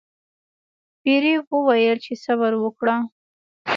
پیري وویل چې صبر وکړه.